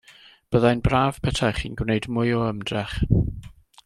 Byddai'n braf petaech chi'n gwneud mwy o ymdrech.